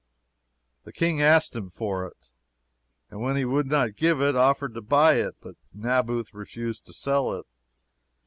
The King asked him for it, and when he would not give it, offered to buy it. But Naboth refused to sell it.